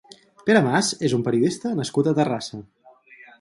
Pere Mas és un periodista nascut a Terrassa.